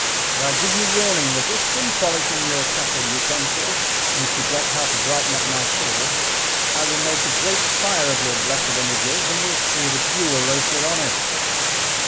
But I give you warning that if in polishing your chapel utensils you forget how to brighten up my sword, I will make a great fire of your blessed images and will see that you are roasted on it."